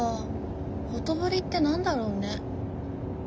「ほとぼり」って何だろうね。